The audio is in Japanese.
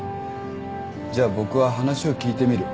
じゃあ僕は話を聞いてみる。